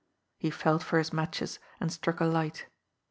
He felt for his matches, and struck a light.